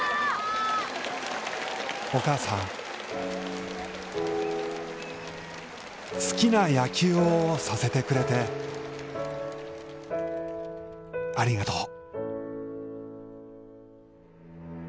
お母さん、好きな野球をさせてくれてありがとう！